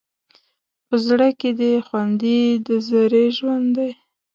په ذره کې دې خوندي د ذرې ژوند دی